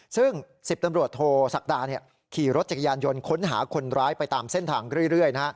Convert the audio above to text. ซึ่ง๑๐ตำรวจโทศักดาขี่รถจักรยานยนต์ค้นหาคนร้ายไปตามเส้นทางเรื่อย